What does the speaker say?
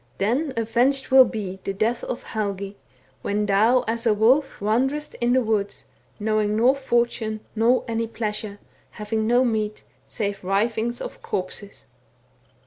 Then avenged will be The death of Helgi, When thou, as a wolf, t Wanderest in the woods. Knowing nor fortune Nor any pleasure. Having no meat, Save rivings of corpses.